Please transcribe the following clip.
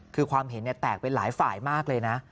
คือความเห็นแตกเป็นหลายฝ่ายมากเลยนะ